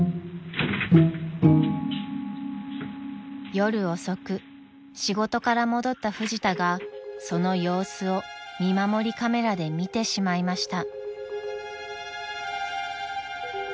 ［夜遅く仕事から戻ったフジタがその様子を見守りカメラで見てしまいました］